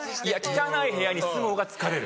汚い部屋に住む方が疲れる。